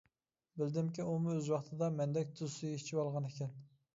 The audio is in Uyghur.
بىلدىمكى ئۇمۇ ئۆز ۋاقتىدا مەندەك تۇز سۈيى ئىچىۋالغان ئىكەن.